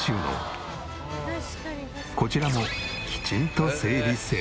こちらもきちんと整理整頓。